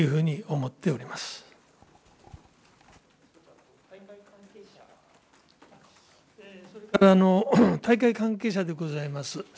それから大会関係者でございます。